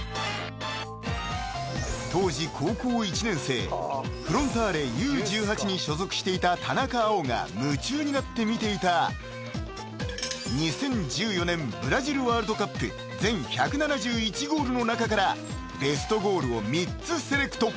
［当時高校１年生フロンターレＵ−１８に所属していた田中碧が夢中になって見ていた２０１４年ブラジルワールドカップ全１７１ゴールの中からベストゴールを３つセレクト］